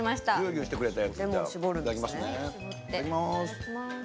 いただきます。